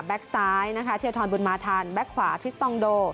แบ็คซ้ายเทียร์ทรบุญมาธรรมแบ็คขวาทริสตองโด